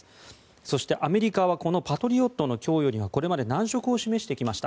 そして、アメリカはこのパトリオットの供与にはこれまで難色を示してきました。